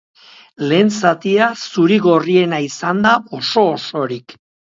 Lehen zatia zuri-gorriena izan da, oso-osorik.